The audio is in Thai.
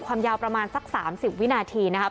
ความยาวประมาณสัก๓๐วินาทีนะครับ